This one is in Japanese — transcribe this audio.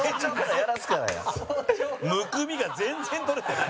山崎：むくみが全然取れてない。